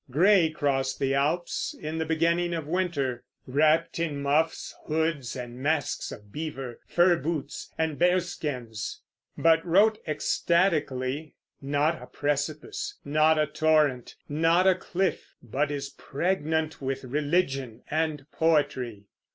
Gray crossed the Alps in the beginning of winter, "wrapped in muffs, hoods and masks of beaver, fur boots, and bearskins," but wrote ecstatically, "Not a precipice, not a torrent, not a cliff but is pregnant with religion and poetry."